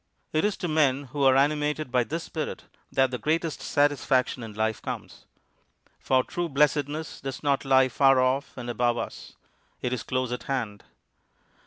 It is to men who are animated by this spirit that the greatest satisfaction in life comes. For true blessedness does not lie far off and above us. It is close at hand.